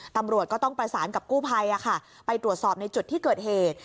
ตำรวจก็ต้องประสานกับกู้ภัยไปตรวจสอบในจุดที่เกิดเหตุ